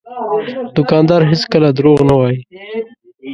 دوکاندار هېڅکله دروغ نه وایي.